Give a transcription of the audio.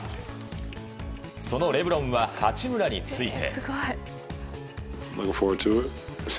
そのレブロンは八村について。